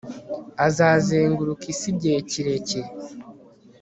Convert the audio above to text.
Azazenguruka isi igihe kirekire